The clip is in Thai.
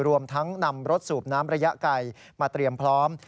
รวมทั้งนำรถสูบน้ำระยะไกลมาเตรียมพร้อม